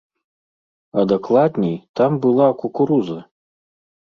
А дакладней, там была кукуруза!